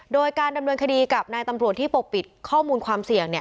โดยการดำเนินคดีกับนายตำรวจที่ปกปิดข้อมูลความเสี่ยง